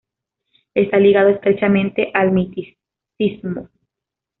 Está ligado estrechamente al misticismo.